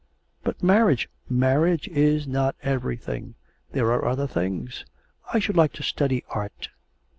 'But marriage ' 'Marriage is not everything. There are other things. I should like to study art.'